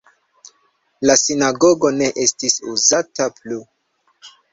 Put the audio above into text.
La sinagogo ne estis uzata plu.